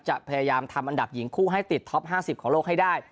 พยายามทำอันดับหญิงคู่ให้ติดท็อป๕๐ของโลกให้ได้